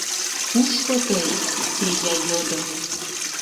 — Кушко тый? — Федя йодо.